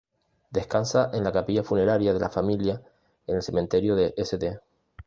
Descansa en la capilla funeraria de la familia en el cementerio de St.